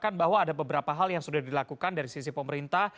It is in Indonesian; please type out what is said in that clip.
mengatakan bahwa ada beberapa hal yang sudah dilakukan dari sisi pemerintah